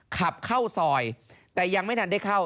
ขับเข้าซอยแต่ยังไม่ทันได้เข้า